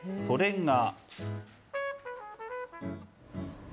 それが。